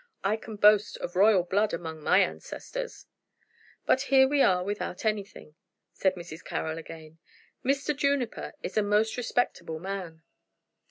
"I can boast of royal blood among my ancestors." "But here we are without anything," said Mrs. Carroll again. "Mr. Juniper is a most respectable man."